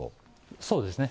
そうですね。